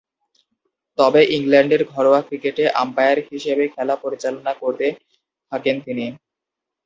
তবে, ইংল্যান্ডের ঘরোয়া ক্রিকেটে আম্পায়ার হিসেবে খেলা পরিচালনা করতে থাকেন তিনি।